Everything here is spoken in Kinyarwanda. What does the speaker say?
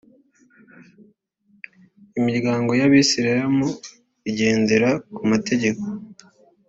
imiryango y’abayisilamu igendera ku mategeko